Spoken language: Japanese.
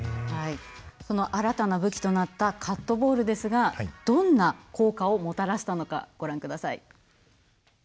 その新たな武器となったカットボールですがどんな効果をもたらしたのかご覧ください。